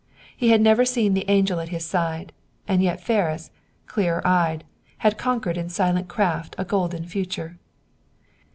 He had never seen the angel at his side, and yet Ferris, clearer eyed, had conquered in silent craft a golden future.